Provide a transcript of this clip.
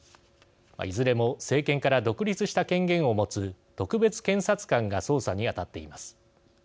いずれも政権から独立した権限を持つ特別検察官が捜査に当たっています。